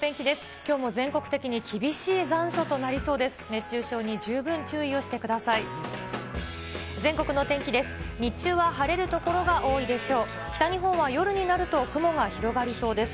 きょうも全国的に厳しい残暑となりそうです。